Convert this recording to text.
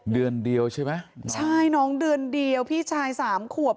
เดือนเดียวใช่ไหมใช่น้องเดือนเดียวพี่ชายสามขวบ